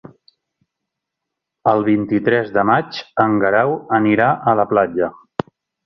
El vint-i-tres de maig en Guerau anirà a la platja.